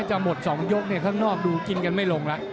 จะหมดสองโยคเนี่ยข้างนอกดูกินกันไม่ลงละ